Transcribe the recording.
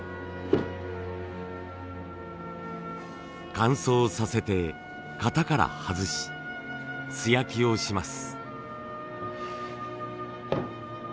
乾燥させて型から外し素焼きをします。